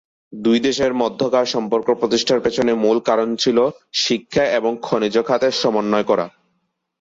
দুই দেশের মধ্যকার সম্পর্ক প্রতিষ্ঠার পেছনে মূল কারণ ছিল, শিক্ষা এবং খনিজ খাতে সমন্বয় করা।